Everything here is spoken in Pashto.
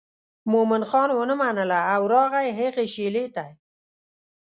مومن خان ونه منله او راغی هغې شېلې ته.